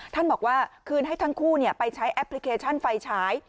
ท่านบอกว่าคืนให้ทั้งคู่ไปใช้แอปพลิเคชันไฟฉาย